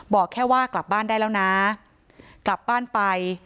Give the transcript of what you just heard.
บอกแค่ว่ากลับบ้านได้แล้วนะกลับบ้านไป